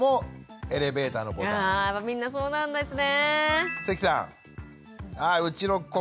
みんなそうなんですね。